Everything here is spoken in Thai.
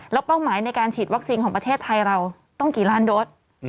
แล้วเป้าหมายในการฉีดวัคซีนของประเทศไทยเราต้องกี่ล้านโดส